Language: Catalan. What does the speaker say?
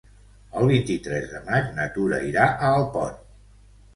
El vint-i-tres de maig na Tura irà a Alpont.